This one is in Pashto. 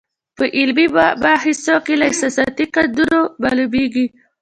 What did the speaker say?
په علمي مباحثو کې له احساساتي قیدونو معلومېږي.